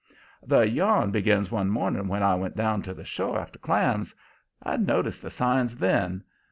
"The yarn begins one morning when I went down to the shore after clams. I'd noticed the signs then.